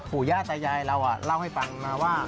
ย่าตายายเราเล่าให้ฟังมาว่า